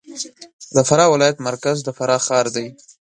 د فراه ولایت مرکز د فراه ښار دی